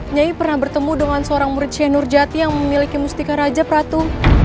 nyai pernah bertemu dengan seorang murid syenur jati yang memiliki mustika rajab ratu